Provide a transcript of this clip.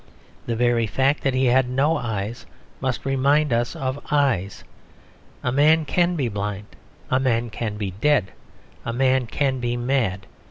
The very fact that he had no eyes must remind us of eyes. A man can be blind; a man can be dead; a man can be mad.